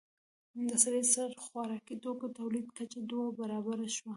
د سړي سر خوراکي توکو تولید کچه دوه برابره شوه.